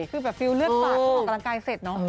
คือแบบฟิลเลือดปากพอออกกำลังกายเสร็จเนาะ